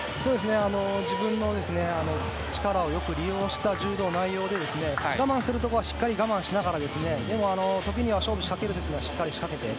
自分の力をよく利用した柔道の内容で我慢するところはしっかり我慢しながらでも勝負を仕掛ける時にはしっかり仕掛けて。